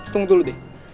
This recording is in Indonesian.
tunggu dulu deh